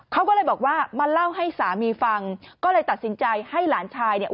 เขาก็เลยบอกว่ามาเล่าให้สามีฟังก็เลยตัดสินใจให้หลานชายเนี่ย